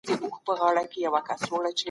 کمپيوټر د راوټر سره مښلول کېږي.